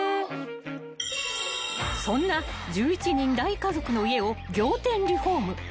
［そんな１１人大家族の家を仰天リフォーム］